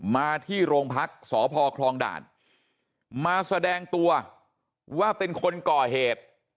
มาที่โรงพักษ์สพคลองด่านมาแสดงตัวว่าเป็นคนก่อเหตุ